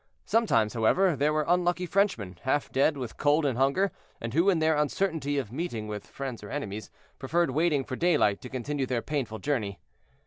Sometimes, however, they were unlucky Frenchmen, half dead with cold and hunger, and who in their uncertainty of meeting with friends or enemies, preferred waiting for daylight to continue their painful journey.